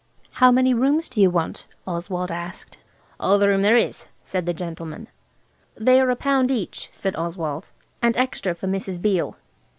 "How many rooms do you want?" Oswald asked. "All the room there is," said the gentleman. "They are a pound each," said Oswald, "and extra for Mrs. Beale."